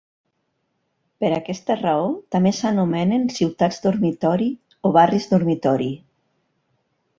Per aquesta raó, també s'anomenen ciutats dormitori o barris dormitori.